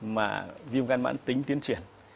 mà viêm gan mãn tính tiến triển